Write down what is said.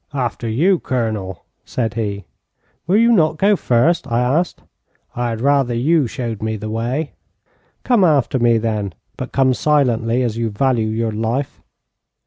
'After you, Colonel,' said he. 'Will you not go first?' I asked. 'I had rather you showed me the way.' 'Come after me, then, but come silently, as you value your life.'